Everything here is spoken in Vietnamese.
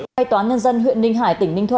tại tòa nhân dân huyện ninh hải tỉnh ninh thuận